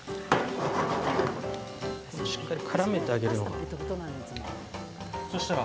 しっかり絡めてあげる。